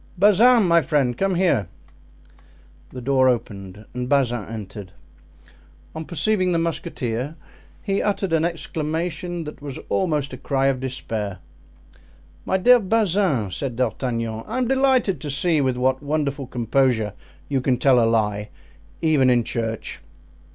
Bazin, my friend, come here." The door opened and Bazin entered; on perceiving the musketeer he uttered an exclamation that was almost a cry of despair. "My dear Bazin," said D'Artagnan, "I am delighted to see with what wonderful composure you can tell a lie even in church!"